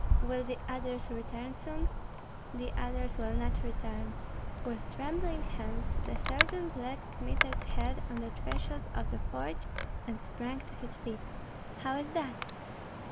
"Will the others return soon?" "The others will not return." With trembling hands the sergeant laid Kmita's head on the threshold of the forge, and sprang to his feet. "How is that?"